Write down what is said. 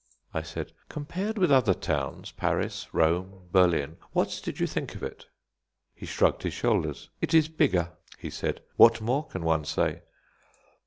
I said: "Compared with other towns Paris, Rome, Berlin, what did you think of it?" He shrugged his shoulders. "It is bigger," he said; "what more can one say?"